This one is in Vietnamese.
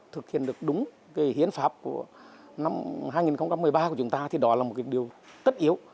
thực hiện được đúng cái hiến pháp của năm hai nghìn một mươi ba của chúng ta thì đó là một cái điều tất yếu